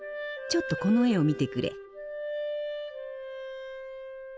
ちょっとこの絵を見てくれ。